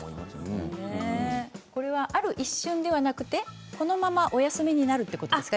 これは、ある一瞬でなくてこのまま夜お休みになるということですか？